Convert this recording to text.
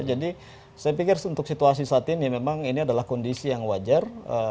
saya pikir untuk situasi saat ini memang ini adalah kondisi yang wajar